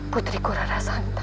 putri ku rarasangga